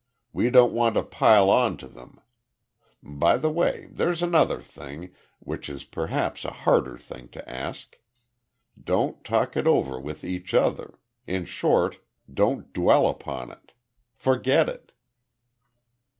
We don't want to pile on to them. By the by, there's another thing, which is perhaps a harder thing to ask. Don't talk it over with each other in short, don't dwell upon it. Forget it."